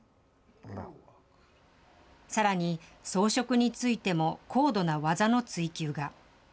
さらに、装飾についても高度な技の追求が。